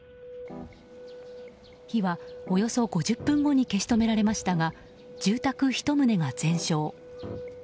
火はおよそ５０分後に消し止められましたが住宅１棟が全焼。